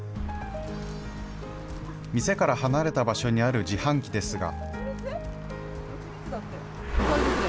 店から離れた場所にある自販機ですが。